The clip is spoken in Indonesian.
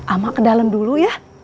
sama ke dalam dulu ya